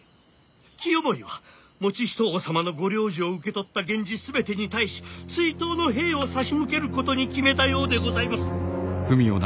清盛は以仁王様の御令旨を受け取った源氏全てに対し追討の兵を差し向けることに決めたようでございます」。